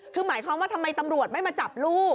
คือหมายความว่าทำไมตำรวจไม่มาจับลูก